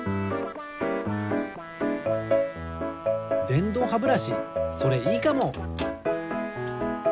でんどうハブラシそれいいかも！